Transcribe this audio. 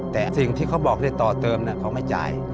แต่สิ่งที่เขาบอกได้ต่อเติมเขาไม่จ่าย